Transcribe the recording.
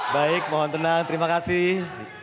baik mohon tenang terima kasih